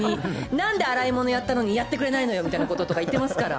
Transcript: なんで洗い物やったのに、やってくれないのよとか言ってますから。